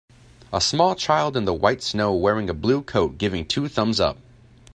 a small child in the white snow wearhing a blue coat giving two thumbs up.